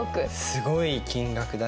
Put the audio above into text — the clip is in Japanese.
すごい金額だね。